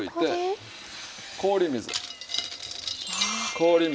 氷水。